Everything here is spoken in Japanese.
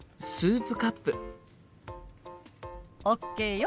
ＯＫよ。